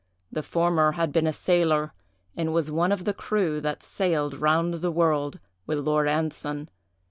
The former had been a sailor, and was one of the crew that sailed round the world with Lord Anson.